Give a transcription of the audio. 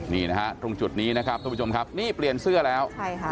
นี่นะฮะตรงจุดนี้นะครับทุกผู้ชมครับนี่เปลี่ยนเสื้อแล้วใช่ค่ะ